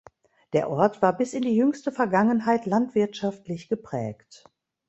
Der Ort war bis in die jüngste Vergangenheit landwirtschaftlich geprägt.